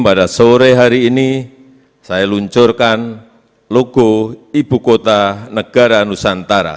pada sore hari ini saya luncurkan logo ibu kota negara nusantara